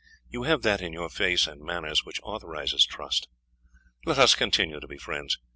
"You have that in your face and manners which authorises trust. Let us continue to be friends.